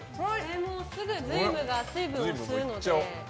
すぐ瑞夢が水分を吸うので。